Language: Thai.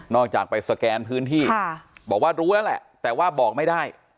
จากไปสแกนพื้นที่บอกว่ารู้แล้วแหละแต่ว่าบอกไม่ได้